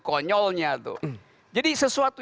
konyolnya tuh jadi sesuatu